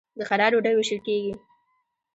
د خیرات ډوډۍ ویشل کیږي.